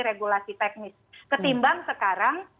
regulasi teknis ketimbang sekarang